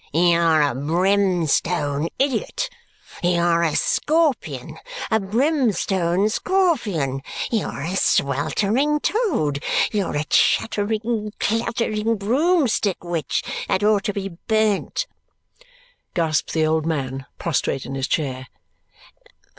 "You're a brimstone idiot. You're a scorpion a brimstone scorpion! You're a sweltering toad. You're a chattering clattering broomstick witch that ought to be burnt!" gasps the old man, prostrate in his chair.